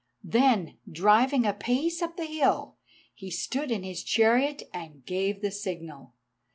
Then, driving apace up the hill, he stood in his chariot and gave the signal.